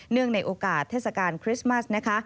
เนื่องในโอกาสเทศกาลคริสต์มาส